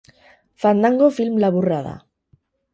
Fandango film laburra da.